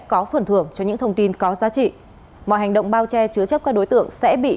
cảm ơn các bạn đã theo dõi